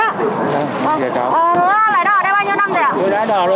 ờ lại đò ở đây bao nhiêu năm rồi ạ